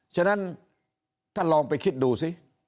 ฉะนั้นท่านลองไปคิดดูสิ